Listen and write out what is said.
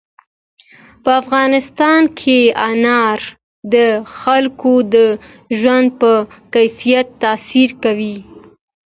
په افغانستان کې انار د خلکو د ژوند په کیفیت تاثیر کوي.